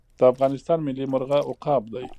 د افغانستان ملي مرغه عقاب دی